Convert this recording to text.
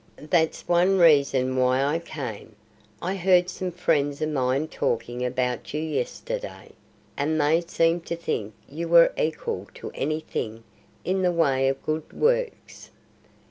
"That's one reason why I came. I heard some friends of mine talking about you yesterday, and they seemed to think you were equal to any thing in the way of good works.